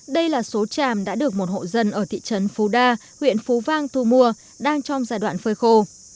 đây là số tràm đã được một hộ dân ở thị trấn phú đa huyện phú vang thu mua đang trong giai đoạn phơi khô